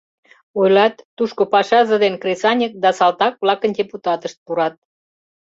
Ойлат: тушко пашазе ден кресаньык да салтак-влакын депутатышт пурат.